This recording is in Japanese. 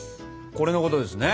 これのことですね？